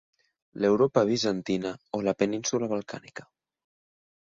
L'Europa bizantina o la península balcànica.